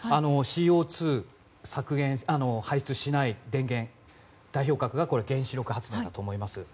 ＣＯ２削減排出しない電源の代表格が原子力発電だと思います。